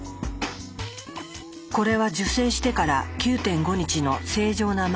これは受精してから９．５日の正常なマウス。